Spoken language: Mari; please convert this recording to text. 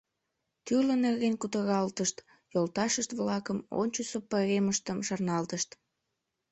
Тӱрлӧ нерген кутыралтышт: йолташышт-влакым, ончычсо пайремыштым шарналтышт.